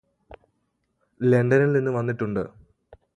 ലണ്ടനിൽ നിന്ന് വന്നിട്ടുണ്ട്